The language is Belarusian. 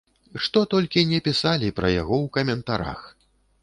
Што толькі не пісалі пра яго ў каментарах!